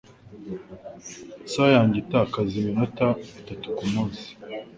Isaha yanjye itakaza iminota itatu kumunsi.